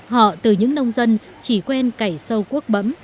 họ từ những nông dân chỉ quen cải sâu quốc bẫm